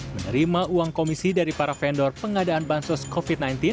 menerima uang komisi dari para vendor pengadaan bansos covid sembilan belas